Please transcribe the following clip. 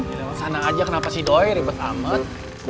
ya lewat sana aja kenapa sih doi ribet amat